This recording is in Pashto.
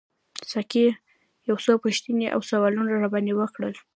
ساقي یو څو پوښتنې او سوالونه راباندي وکړل.